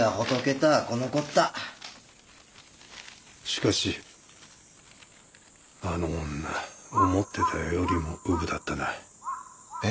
しかしあの女思ってたよりもうぶだったな。え？